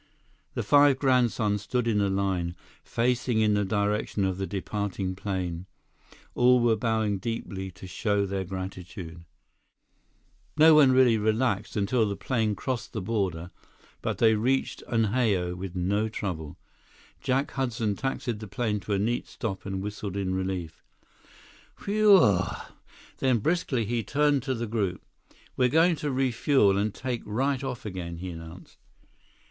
The five grandsons stood in a line, facing in the direction of the departing plane. All were bowing deeply to show their gratitude. No one really relaxed until the plane crossed the border, but they reached Unhao with no trouble. Jack Hudson taxied the plane to a neat stop and whistled in relief, "Whew uw!" Then briskly he turned to the group. "We're going to refuel and take right off again," he announced.